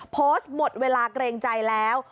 โพสต์หมดเวลาเกรงใจแล้ว